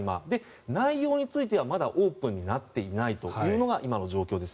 内容についてはまだオープンになっていないのが今の状況です。